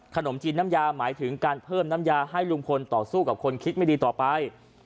ขนมจีนน้ำยาหมายถึงการเพิ่มน้ำยาให้ลุงพลต่อสู้กับคนคิดไม่ดีต่อไป